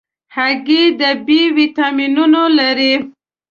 هګۍ د B ویټامینونه لري.